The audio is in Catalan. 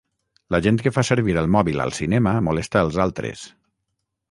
La gent que fa servir el mòbil al cinema molesta els altres.